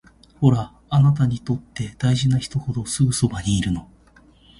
ほら、あなたにとって大事な人ほどすぐそばにいるの